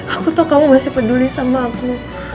aku tahu kamu masih peduli sama aku